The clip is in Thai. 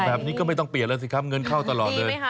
แบบนี้ก็ไม่ต้องเปลี่ยนแล้วสิครับเงินเข้าตลอดเลย